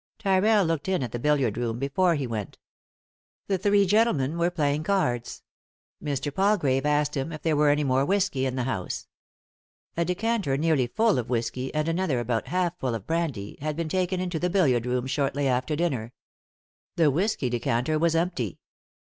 Tyrrell looked in at the billiard room before he went. The three gentlemen were playing cards. Mr. Palgrave asked him if there were any more whisky in the house. A decanter nearly full of whisky, and another about half full ot brandy, had been taken into the billiard room shortly after dinner. The whisky decanter was empty.